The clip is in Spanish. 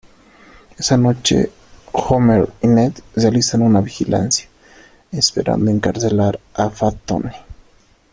Esa noche, Homer y Ned realizan una vigilancia, esperando encarcelar a Fat Tony.